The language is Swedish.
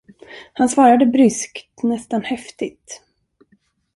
Han svarade bryskt, nästan häftigt.